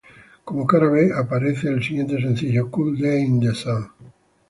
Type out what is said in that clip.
Como cara B aparece el siguiente sencillo "Cold Day in the Sun".